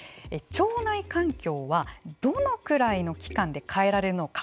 腸内環境はどのくらいの期間で変えられるのか。